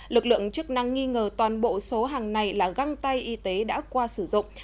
lực lượng chức năng nghi ngờ toàn bộ số hàng này là găng tay y tế đã qua sử dụng